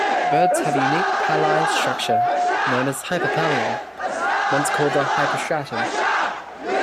Birds have a unique pallial structure known as the hyperpallium, once called the "hyperstriatum".